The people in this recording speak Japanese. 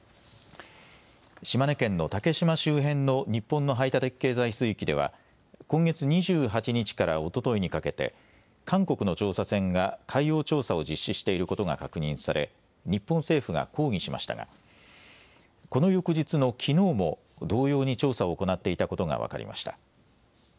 島根県の竹島周辺の日本の排他的経済水域では今月２８日からおとといにかけて韓国の調査船が海洋調査を実施していることが確認され日本政府が抗議しましたがこの翌日のきのうも同様に調査を行っていたことが分かりました。